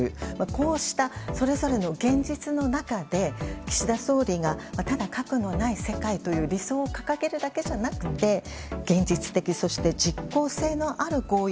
こうした、それぞれの現実の中で岸田総理がただ核のない世界という理想を掲げるだけじゃなくて現実的、そして実効性のある合意。